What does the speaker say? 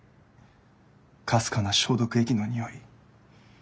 かすかな消毒液のにおい。